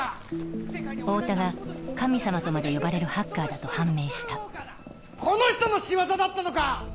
太田が神様とまで呼ばれるハッカーだと判明したこの人の仕業だったのか！